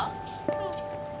うん。